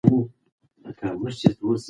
هغه د رڼا په لور د تګ پټ ارمان درلود.